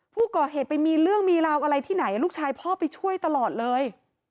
ผู้ก่อเหตุไปมีเรื่องมีราวอะไรที่ไหนลูกชายพ่อไปช่วยตลอดเลย